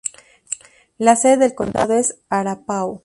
La sede del condado es Arapaho.